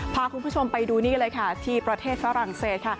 พาคุณผู้ชมไปดูนี่เลยค่ะที่ประเทศฝรั่งเศสค่ะ